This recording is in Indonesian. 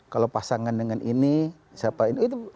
kalau pasangan dengan ini siapa ini